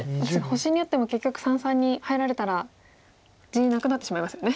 星に打っても結局三々に入られたら地なくなってしまいますよね。